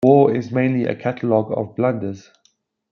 War is mainly a catalogue of blunders.